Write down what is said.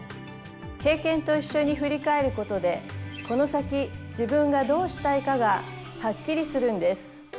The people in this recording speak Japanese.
経験と一緒に振り返ることでこの先自分がどうしたいかがはっきりするんです。